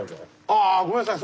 ああごめんなさい。